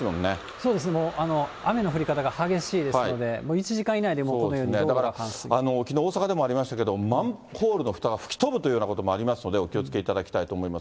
そうです、雨の降り方が激しいですので、１時間以内でもこのきのう、大阪でもありましたけれども、マンホールのふたが吹き飛ぶというようなこともありますので、お気をつけいただきたいと思います。